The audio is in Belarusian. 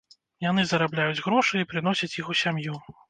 Яны зарабляюць грошы і прыносяць іх у сям'ю.